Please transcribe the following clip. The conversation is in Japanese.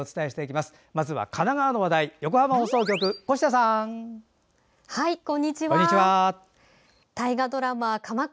まずは神奈川の話題横浜放送局、越田さん。